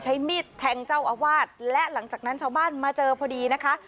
ใช้มีดแทงเจ้าอาวาสและหลังจากนั้นชาวบ้านมาเจอพอดีนะคะ